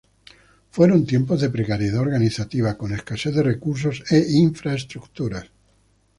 Fueron tiempos de precariedad organizativa, con escasez de recursos e infraestructuras.